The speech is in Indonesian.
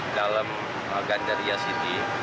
galem gandaria city